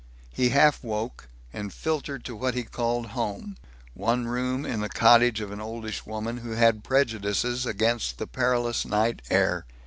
He half woke, and filtered to what he called home one room in the cottage of an oldish woman who had prejudices against the perilous night air.